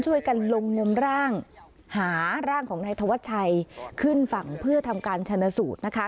ช่วยกันลงงมร่างหาร่างของนายธวัชชัยขึ้นฝั่งเพื่อทำการชนะสูตรนะคะ